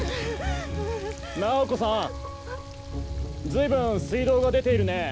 ・ずいぶん水道が出ているね。